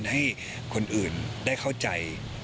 ให้คนอื่นได้เข้าใจ